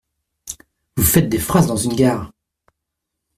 Vous faites des phrases dans une gare !